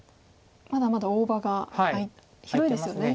まだまだ大場が広いですよね。